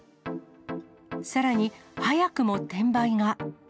さらに、早くも転売が。